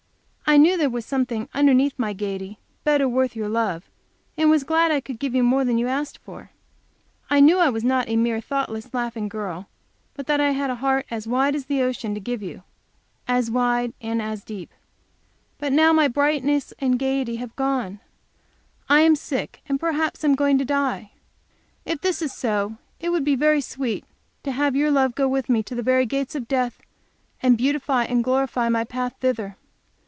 I knew there was something underneath my gayety better worth your love, and was glad I could give you more than you asked for. I knew I was not a mere thoughtless, laughing girl, but that I had a heart as wide as the ocean to give you as wide and as deep. But now my "brightness and gayety" have gone; I am sick and perhaps am going to die. If this is so, it would be very sweet to have your love go with me to the very gates of death, and beautify and glorify my path thither.